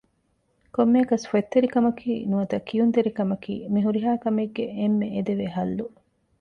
ކޮންމެއަކަސް ފޮތްތެރިކަމަކީ ނުވަތަ ކިޔުންތެރިކަމަކީ މި ހުރިހާ ކަމެއްގެ އެންމެ އެދެވޭ ޙައްލު